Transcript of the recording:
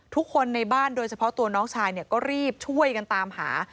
ทุกคนในบ้านโดยเฉพาะตัวน้องชายก็รีบช่วยกันตามหา